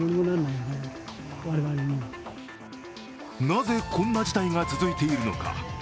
なぜこんな事態が続いているのか。